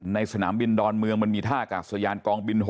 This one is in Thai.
สนามบินดอนเมืองมันมีท่ากาศยานกองบิน๖